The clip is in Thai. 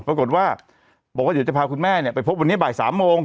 ปรากฏว่าบอกว่าเดี๋ยวจะพาคุณแม่ไปพบวันนี้บ่าย๓โมง